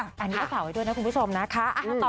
อันนี้ก็ฝากไว้ด้วยนะคุณผู้ชมนะคะ